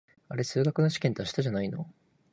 あれ、数学の試験って明日じゃないの？